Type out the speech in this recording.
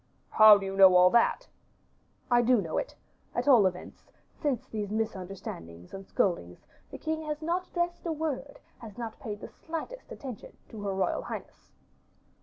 "How do you know all that?" "I do know it; at all events, since these misunderstandings and scoldings, the king has not addressed a word, has not paid the slightest attention, to her royal highness."